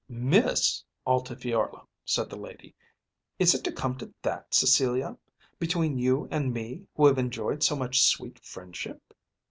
"Miss Altifiorla!" said the lady. "Is it to come to that, Cecilia; between you and me who have enjoyed so much sweet friendship?"